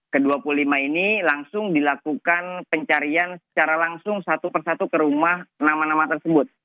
ke dua puluh lima ini langsung dilakukan pencarian secara langsung satu persatu ke rumah nama nama tersebut